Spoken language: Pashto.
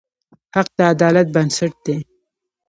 حق د عدالت بنسټ دی.